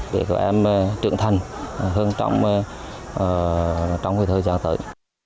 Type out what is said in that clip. để các em trưởng thành hơn trong thời gian tới